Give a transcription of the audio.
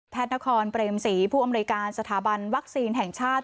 นครเปรมศรีผู้อำนวยการสถาบันวัคซีนแห่งชาติ